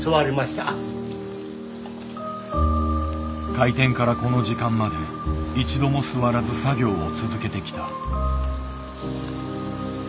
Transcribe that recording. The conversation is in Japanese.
開店からこの時間まで一度も座らず作業を続けてきた。